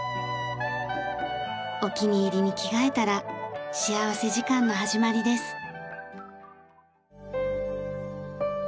お気に入りに着替えたら幸福時間の始まりです。